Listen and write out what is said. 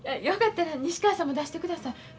よかったら西川さんも出してください。